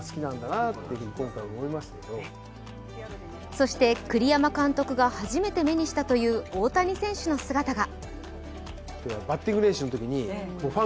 そして栗山監督が初めて目にしたという大谷選手の姿が。